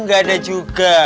gak ada juga